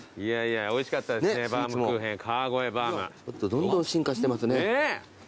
どんどん進化してますね。